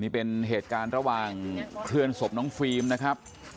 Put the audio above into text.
นี่เป็นเหตุการณ์ระหว่างเคลื่อนศพน้องฟิล์มนะครับ